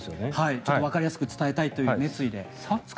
ちょっとわかりやすく伝えたいという熱意で。